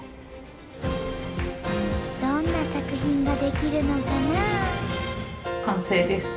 どんな作品が出来るのかな？